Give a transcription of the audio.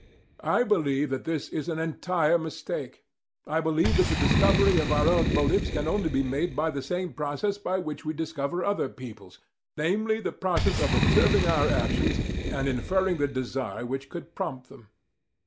I believe that this is an entire mistake. I believe that the discovery of our own motives can only be made by the same process by which we discover other people's, namely, the process of observing our actions and inferring the desire which could prompt them.